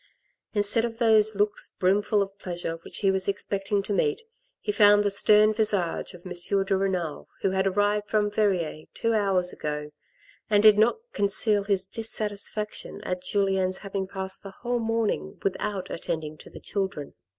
Instead of those looks brimful of pleasure which he was expecting to meet, he found the stern visage of M. de Renal, who had arrived from Verrieres two hours ago, and did not conceal his dissatisfaction at Julien's having passed the whole morning without attending to the children.